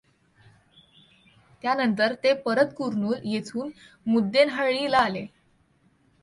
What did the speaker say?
त्यानंतर ते परतकुर्नुल येथुन मुद्देनहळ्ळी ला आले.